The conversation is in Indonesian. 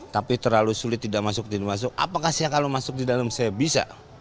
tapi terlalu sulit tidak masuk pintu masuk apakah saya kalau masuk di dalam saya bisa